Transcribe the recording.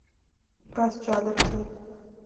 بس جالب تھے۔